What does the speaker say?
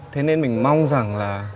thế nên mình mong rằng là